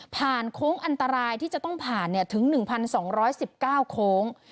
โค้งอันตรายที่จะต้องผ่านถึง๑๒๑๙โค้ง